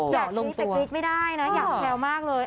อ๋ออย่างนี้แตกตริกไม่ได้นะอยากแพลวมากเลย